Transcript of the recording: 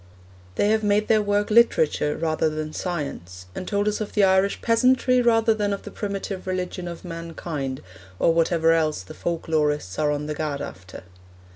They have made their work literature rather than science, and told us of the Irish peasantry rather than of the primitive religion of mankind, or whatever else the folk lorists are on the gad after.